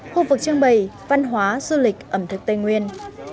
khu vực trưng bày văn hóa du lịch ẩm thực tây nguyên